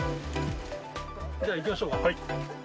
じゃあ行きましょう。